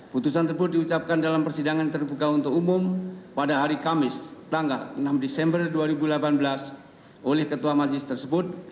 putusan tersebut diucapkan dalam persidangan terbuka untuk umum pada hari kamis tanggal enam desember dua ribu delapan belas oleh ketua majelis tersebut